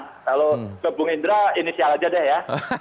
kalau ke bung indra inisial aja deh ya